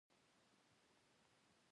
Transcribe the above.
د بې باکو نجونو پښو کې نذرانه ږدي